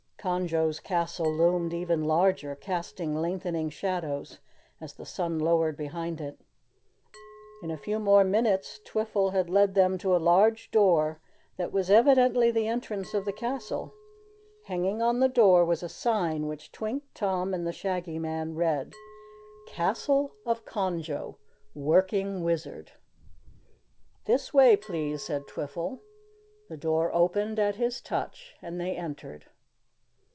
Conjo's castle loomed even larger, casting lengthening shadows, as the sun lowered behind it. In a few more minutes Twiffle had led them to a large door that was evidently the entrance of the castle. Hanging on the door was a sign which Twink, Tom, and the Shaggy Man read. CASTLE OF CONJO WORKING WIZARD "This way, please," said Twiffle. The door opened at his touch, and they entered.